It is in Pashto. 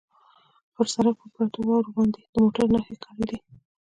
پر سړک پرتو واورو باندې د موټرو نښې ښکارېدې.